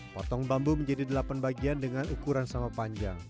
potong bambu menjadi delapan bagian dengan ukuran sama panjang